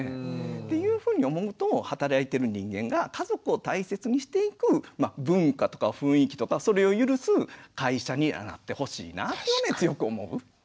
っていうふうに思うと働いてる人間が家族を大切にしていく文化とか雰囲気とかそれを許す会社になってほしいなというのを強く思う。